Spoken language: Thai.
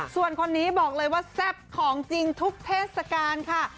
ส่วนคนนี้บอกเลยว่าแซ่บของจริงทุกเทศกาลค่ะ